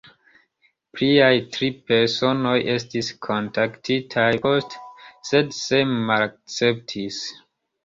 Pliaj tri personoj estis kontaktitaj poste, sed same malakceptis.